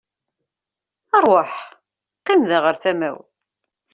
Rwaḥ, qqim da ɣer tama-w.